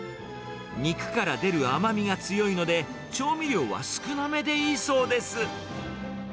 肉から出る甘みが強いので、調味料は少なめでいいそうです。